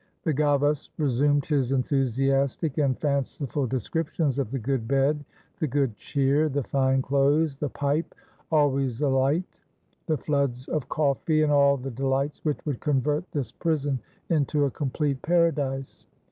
The gavas resumed his enthusiastic and fanciful descriptions of the good bed, the good cheer, the fine clothes, the pipe always alight, the floods of coffee, all the delights which would convert this prison into a complete paradise.